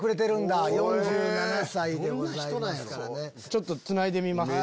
ちょっとつないでみます。